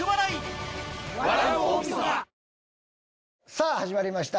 さぁ始まりました